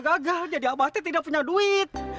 gagal jadi abati tidak punya duit